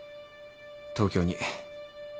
東京に。